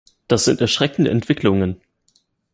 Das sind erschreckende Entwicklungen!